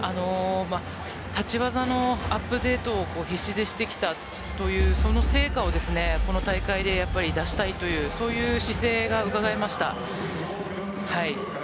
立ち技のアップデートを必死でしてきたという成果をこの大会で出したいというそういう姿勢がうかがえました。